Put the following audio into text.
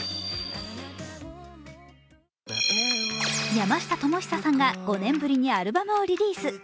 山下智久さんが５年ぶりのアルバムをリリース。